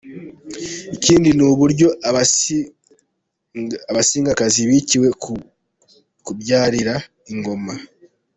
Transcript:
Ikindi ni uburyo Abasingakazi baciwe ku kubyarira ingoma.